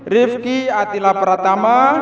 rifqi atila pratama